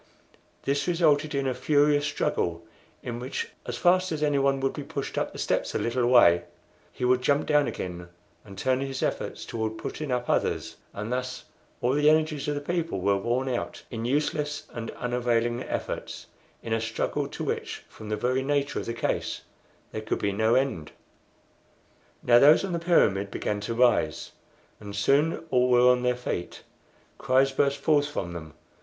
This resulted in a furious struggle, in which, as fast as anyone would be pushed up the steps a little way, he would jump down again and turn his efforts toward putting up others; and thus all the energies of the people were worn out in useless and unavailing efforts in a struggle to which, from the very nature of the case, there could be no end. Now those on the pyramid began to rise, and soon all were on their feet. Cries burst forth from them.